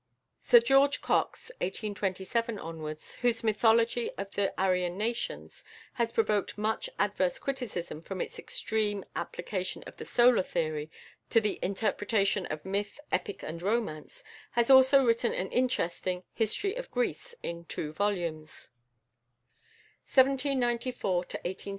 =Sir George Cox (1827 )=, whose "Mythology of the Aryan Nations" has provoked much adverse criticism from its extreme application of the "Solar" theory to the interpretation of myth, epic, and romance, has also written an interesting "History of Greece" in two volumes.